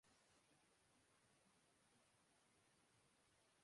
ننگے پاؤں مت چلو